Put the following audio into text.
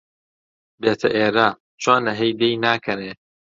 بێتە ئێرە، چۆنە هەی دێی ناکەنێ!؟